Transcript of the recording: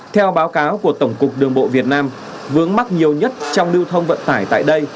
theo báo cáo của tổng cục đường bộ việt nam vướng mắt nhiều nhất trong lưu thông vận tải tại đây